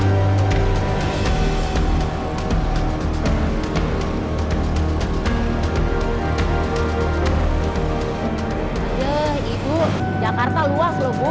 eh ibu jakarta luas loh bu